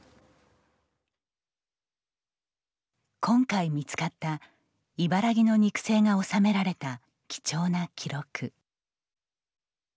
今回見つかった茨木の肉声が収められた貴重な記録。